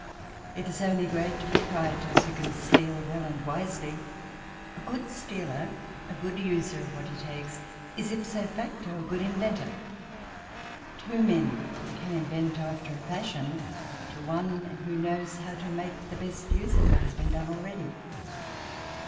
It is only great proprietors who can steal well and wisely. A good stealer, a good user of what he takes, is ipso facto a good inventor. Two men can invent after a fashion to one who knows how to make the best use of what has been done already.